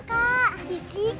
aku capek kak